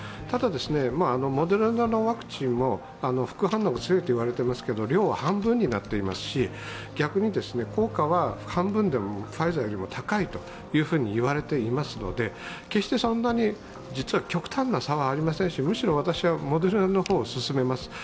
ただ、モデルナのワクチンも副反応が強いと言われていますけど、量は半分になっていますし逆に、効果は半分でもファイザーよりも高いといわれていますので決してそんなに実は極端な差はありませんし、むしろ私はモデルナの方を勧めます。